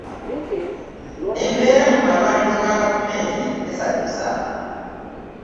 Embeera mu malwaliro ga gavumenti tesanyusa.